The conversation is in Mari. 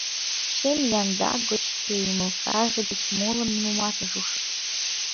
Шем янда гоч шке ӱмылкаже деч молым нимомат ыш уж.